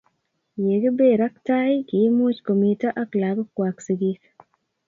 ye kibeer ak tai, kiimuch komito ak lagokwak sigik